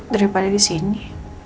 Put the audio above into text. daripada di sini